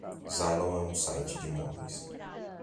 Zillow é um site de imóveis.